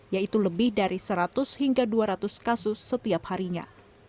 yaitu lebih dari seratus hingga dua ratus kasus setiap harinya